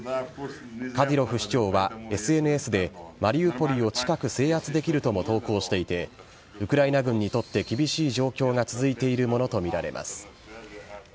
カディロフ首長は、ＳＮＳで、マリウポリを近く、制圧できるとも投稿していて、ウクライナ軍にとって厳しい状況が続いているものと見られます。